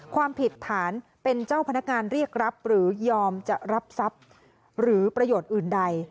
ความผิดฐานเป็นเจ้าพนักงานเรียกรับหรือยอมจะรับทรัพย์หรือประโยชน์อื่นใด